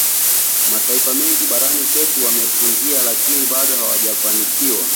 Mataifa mengine barani kwetu wameifungia lakini bado hawajafanikiwa